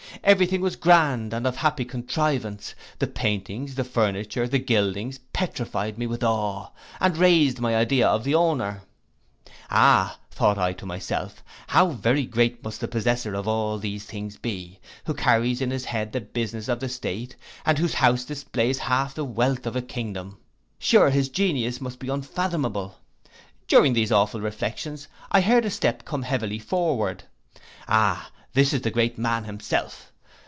Every thing was grand, and of happy contrivance: the paintings, the furniture, the gildings, petrified me with awe, and raised my idea of the owner. Ah, thought I to myself, how very great must the possessor of all these things be, who carries in his head the business of the state, and whose house displays half the wealth of a kingdom: sure his genius must be unfathomable! During these awful reflections I heard a step come heavily forward. Ah, this is the great man himself!